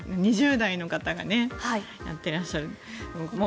２０代の方がねやっていらっしゃる。